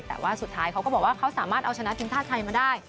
แต่ว่าสุดท้ายเขาก็บอกว่าเขาสามารถเอาชนะทีมชาติไทยมาได้